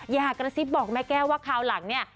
อยากระทริปบอกแม่แก่วว่าคราวหลังนี้